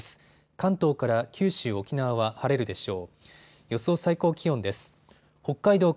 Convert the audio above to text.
関東から九州、沖縄は晴れるでしょう。